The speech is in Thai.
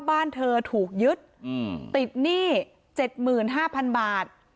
บ้านเธอถูกยึดอืมติดหนี้เจ็ดหมื่นห้าพันบาท